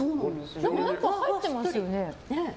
中入ってますよね？